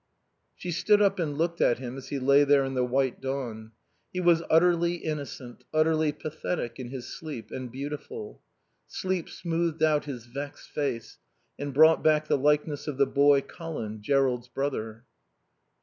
She stood up and looked at him as he lay there in the white dawn. He was utterly innocent, utterly pathetic in his sleep, and beautiful. Sleep smoothed out his vexed face and brought back the likeness of the boy Colin, Jerrold's brother.